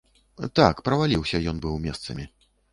Так, праваліўся ён быў месцамі.